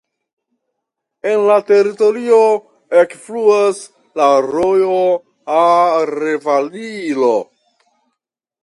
En la teritorio ekfluas la rojo Arevalillo.